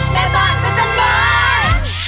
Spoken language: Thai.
แม่บ้านจัดบัน